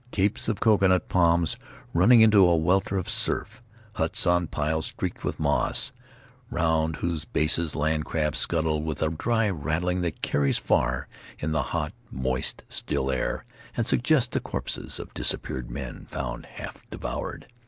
Capes of cocoanut palms running into a welter of surf; huts on piles streaked with moss, round whose bases land crabs scuttle with a dry rattling that carries far in the hot, moist, still air, and suggests the corpses of disappeared men found half devoured.